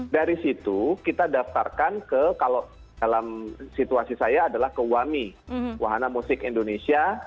dari situ kita daftarkan ke kalau dalam situasi saya adalah ke wami wahana musik indonesia